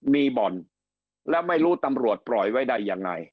มีบ่อนแล้วไม่รู้ตำรวจปล่อยไว้ได้ยังไง